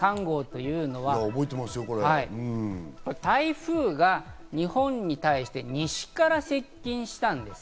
台風が日本に対して西から接近したんです。